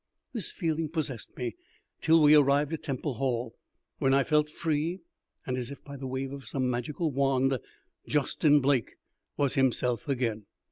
This feeling possessed me till we arrived at Temple Hall, when I felt free, and, as if by the wave of some magical wand, Justin Blake was himself again.